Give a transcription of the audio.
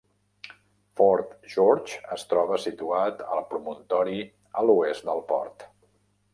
Fort George es troba situat al promontori a l'oest del port.